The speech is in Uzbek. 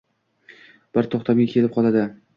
Bir to‘xtamga kelib qoladi.